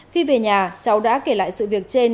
khi về nhà cháu đã kể lại sự việc trên